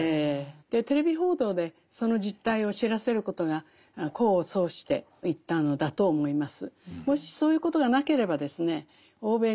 テレビ報道でその実態を知らせることが功を奏していったのだと思います。